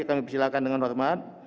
kami persilahkan dengan hormat